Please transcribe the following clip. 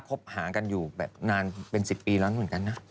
คบหากันอยู่ประมาณ๑๐ปีแล้วเหมือนกันนะ